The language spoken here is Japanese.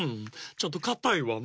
ちょっとかたいわね。